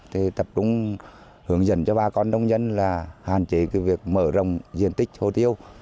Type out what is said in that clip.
thì tập trung hướng dẫn cho ba con nông nhân là hàn chế cái việc mở rồng diện tích hồ tiêu